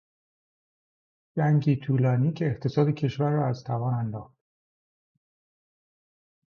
جنگی طولانی که اقتصاد کشور را از توان انداخت